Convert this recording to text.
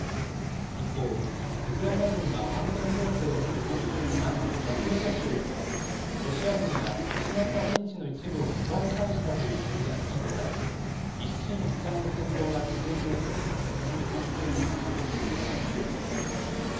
一方、ウクライナ軍が反転攻勢を続ける南部ザポリージャ州では、ロシア軍が失った陣地の一部を奪い返したという分析も示され、一進一退の戦闘が続いていると見られます。